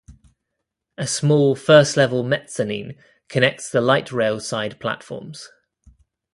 A small first level mezzanine connects the light rail side platforms.